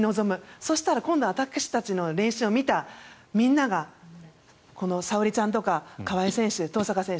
そうしたら今度は私たちの練習を見たみんなが沙保里ちゃんとか川井選手、登坂選手